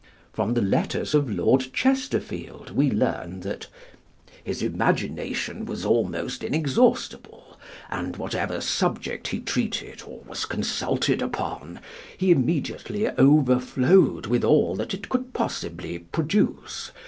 From the letters of Lord Chesterfield we learn that "His imagination was almost inexhaustible, and whatever subject he treated, or was consulted upon, he immediately overflowed with all that it could possibly produce.